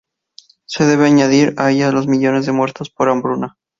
Se debe añadir a ellos los millones de muertos por hambruna.